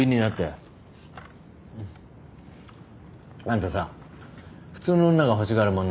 あんたさ普通の女が欲しがるもん